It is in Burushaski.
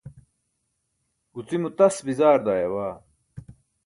Gucimo tas bizaar daayabaa!